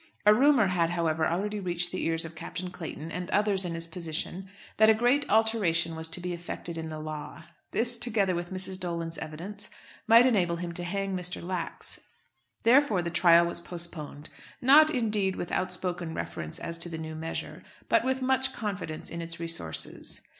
A rumour had, however, already reached the ears of Captain Clayton, and others in his position, that a great alteration was to be effected in the law. This, together with Mrs. Dolan's evidence, might enable him to hang Mr. Lax. Therefore the trial was postponed; not, indeed, with outspoken reference as to the new measure, but with much confidence in its resources.